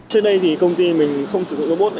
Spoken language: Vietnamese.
trước đây thì công ty mình không sử dụng robot